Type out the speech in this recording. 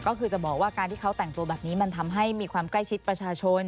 ก็คือจะบอกว่าการที่เขาแต่งตัวแบบนี้มันทำให้มีความใกล้ชิดประชาชน